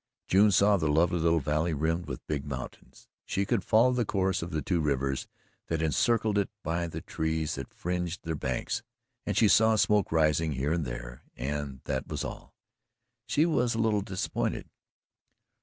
June saw the lovely little valley rimmed with big mountains. She could follow the course of the two rivers that encircled it by the trees that fringed their banks, and she saw smoke rising here and there and that was all. She was a little disappointed.